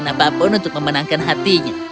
ya aku pun melakukan apa pun untuk memenangkan hatinya